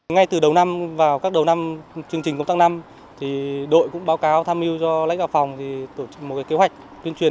ngay từ đầu năm vào các đầu năm chương trình công tác năm đội cũng báo cáo tham mưu cho lãnh đạo phòng tổ chức một kế hoạch tuyên truyền